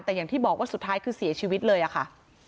แต่อย่างที่บอกว่าสุดท้ายคือเสียชีวิตเลยอะค่ะ